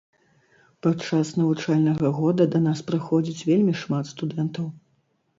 Падчас навучальнага года да нас прыходзіць вельмі шмат студэнтаў.